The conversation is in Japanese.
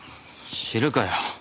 知るかよ。